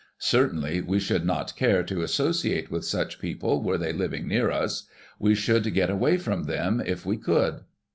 Cer tainly we should not care to associate with such people were they living near us. We should get away from them if we could."